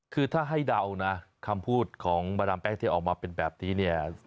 คือถ้าให้เดานะคำพูดของมาดามแป้งที่ออกมาเป็นแบบนี้เนี่ย